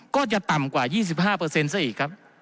ก็จะต่ำกว่า๒๕ซะอีกครับ